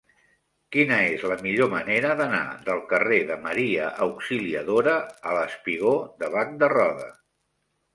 Quina és la millor manera d'anar del carrer de Maria Auxiliadora al espigó de Bac de Roda?